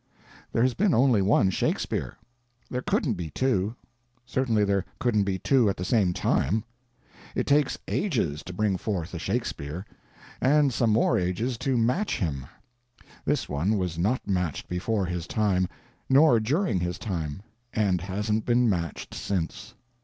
There has been only one Shakespeare. There couldn't be two; certainly there couldn't be two at the same time. It takes ages to bring forth a Shakespeare, and some more ages to match him. This one was not matched before his time; nor during his time; and hasn't been matched since.